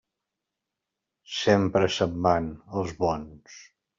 Sempre se'n van els bons.